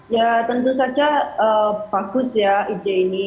ya tentu saja bagus ya ide ini